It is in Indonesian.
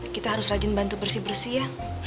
kita harus rajin bantu bersih bersih ya